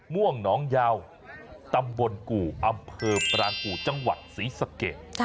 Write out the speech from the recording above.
ม่วงหนองยาวตำบลกู่อำเภอปรางกู่จังหวัดศรีสะเกด